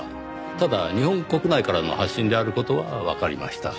ただ日本国内からの発信である事はわかりました。